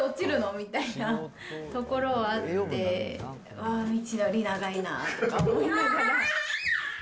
みたいなところはあって、ああ、道のり長いなとか思いながら。